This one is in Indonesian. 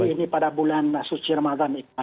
apalagi ini pada bulan suci ramadhan